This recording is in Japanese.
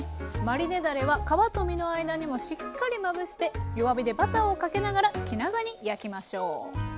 マリネだれは皮と身の間にもしっかりまぶして弱火でバターをかけながら気長に焼きましょう。